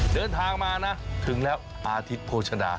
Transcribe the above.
เดินทางมานะถึงแล้วอาทิตย์โภชดา